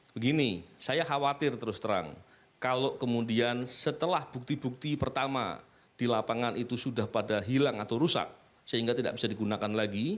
begini saya khawatir terus terang kalau kemudian setelah bukti bukti pertama di lapangan itu sudah pada hilang atau rusak sehingga tidak bisa digunakan lagi